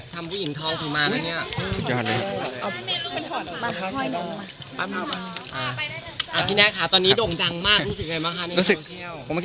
อ๋อค่ะอ่าพี่แน็คค่ะตอนนี้ดงดังมากรู้สึกไงบ้างคะ